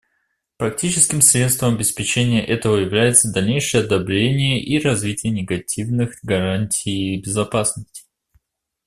Практическим средством обеспечения этого является дальнейшее одобрение и развитие негативных гарантий безопасности.